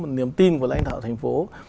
một niềm tin của lãnh đạo tp hcm